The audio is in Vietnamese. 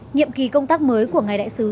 nhiệm kỳ công tác mới của ngày đại sứ